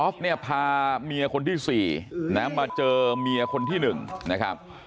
เนี่ยพาเมียคนที่๔นะมาเจอเมียคนที่๑นะครับ